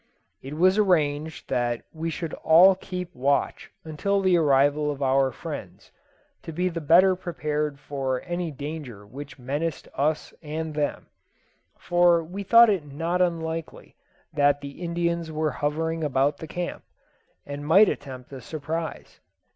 It was arranged that we should all keep watch until the arrival of our friends, to be the better prepared for any danger which menaced us and them; for we thought it not unlikely that the Indians were hovering about the camp, and might attempt a surprise.